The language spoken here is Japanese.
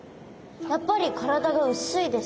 やっぱり体が薄いですね。